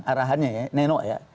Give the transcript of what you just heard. arahannya ya nenok ya